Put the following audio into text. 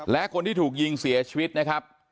และคนที่ถูกยิงเสียชีวิตนะครับ